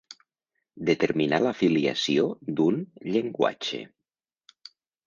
Determinar la filiació d'un llenguatge.